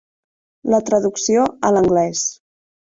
La traducció a l'anglès.